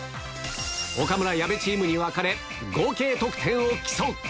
岡村、矢部チームに分かれ、合計得点を競う。